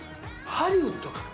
ハリウッドから？